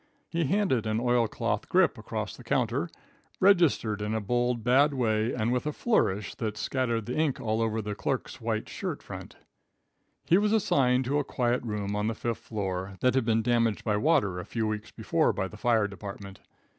He handed an oilcloth grip across the counter, registered in a bold, bad way and with a flourish that scattered the ink all over the clerk's white shirt front. He was assigned to a quiet room on the fifth floor, that had been damaged by water a few weeks before by the fire department.